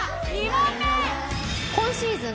問目今シーズン